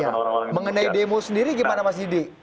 sama orang orang ini mengenai demo sendiri gimana mas didi